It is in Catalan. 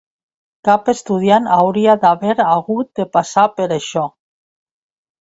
Cap estudiant hauria d'haver hagut de passar per això.